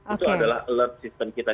itu adalah alert system kita